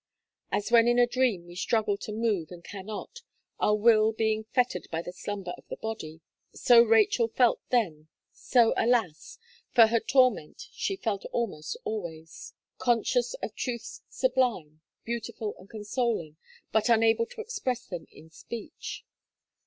As when in a dream we struggle to move and cannot, our will being fettered by the slumber of the body, so Rachel felt then, so alas! for her torment she felt almost always; conscious of truths sublime, beautiful and consoling, but unable to express them in speech.